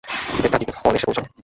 দেড়টার দিকে ফল এসে পৌঁছাল।